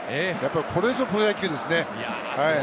これぞプロ野球ですね。